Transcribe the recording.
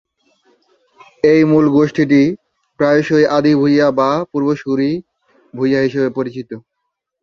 এই মূল গোষ্ঠীটি প্রায়শই আদি ভূঁইয়া বা পূর্বসূরি ভূঁইয়া হিসাবে পরিচিত।